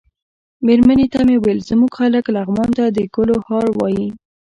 مېرمنې ته مې ویل زموږ خلک لغمان ته د ګلو هار وايي.